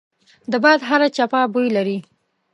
د باد هره چپه بوی لري